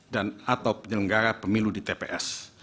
dan atau penyelenggara pemilu di tps